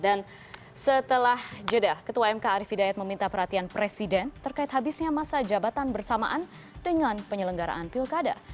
dan setelah jeda ketua mk arief hidayat meminta perhatian presiden terkait habisnya masa jabatan bersamaan dengan penyelenggaraan pilkada